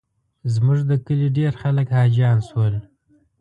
زموږ د کلي ډېر خلک حاجیان شول.